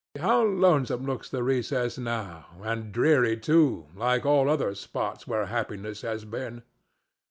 How lonesome looks the recess now, and dreary too, like all other spots where happiness has been!